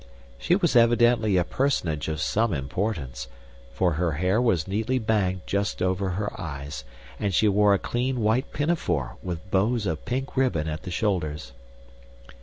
She was evidently a personage of some importance, for her hair was neatly banged just over her eyes, and she wore a clean white pinafore with bows of pink ribbon at the shoulders.